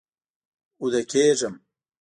اوده کیږم